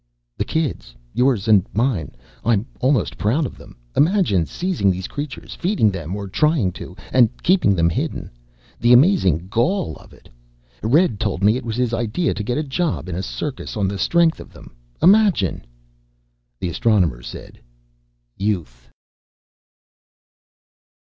"The kids. Yours and mine. I'm almost proud of them. Imagine seizing these creatures, feeding them or trying to, and keeping them hidden. The amazing gall of it. Red told me it was his idea to get a job in a circus on the strength of them. Imagine!" The Astronomer said, "Youth!"